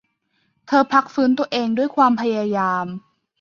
เธอพักฟื้นตัวเองด้วยความพยายาม